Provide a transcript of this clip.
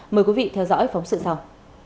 mời quý vị theo dõi phóng sự sau